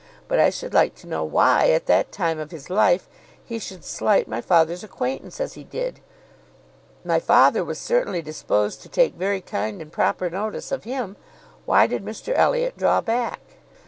But I should like to know why, at that time of his life, he should slight my father's acquaintance as he did. My father was certainly disposed to take very kind and proper notice of him. Why did Mr Elliot draw back?"